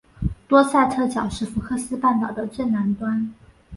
多塞特角是福克斯半岛的最南端。